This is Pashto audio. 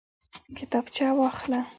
کتابچه واخله